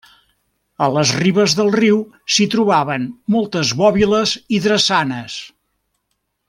A les ribes del riu s'hi trobaven moltes bòbiles i drassanes.